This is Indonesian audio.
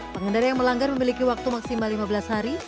pengendara yang melanggar memiliki waktu maksimal lima belas hari